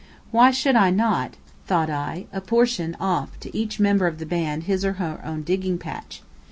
Why should I not (thought I) apportion off to each member of the band his or her own digging patch?